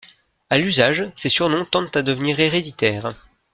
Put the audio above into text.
À l'usage, ces surnoms tendent à devenir héréditaires.